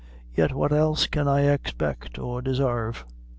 Yet what else can I expect or desarve?